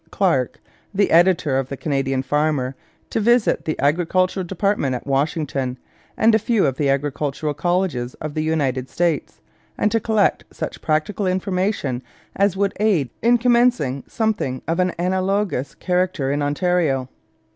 Clark, the editor of the Canada Farmer, to visit the Agricultural department at Washington and a few of the agricultural colleges of the United States, and to collect such practical information as would aid in commencing something of an analogous character in Ontario.